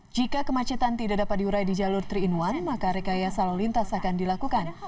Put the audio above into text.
jika kemacetan tidak dapat diurai di jalur tiga in satu maka rekayasa lalu lintas akan dilakukan